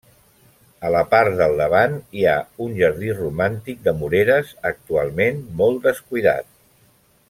A la part del davant hi ha un jardí romàntic de moreres actualment molt descuidat.